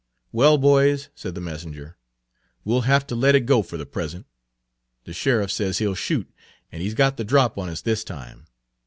"Well, boys," said the messenger, "we'll have to let it go for the present. The sheriff says he'll shoot, and he's got the drop on us this time.